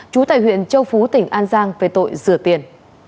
trú tại huyện châu phú tỉnh an giang về tội rửa tiền